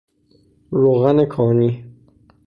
روغن کانی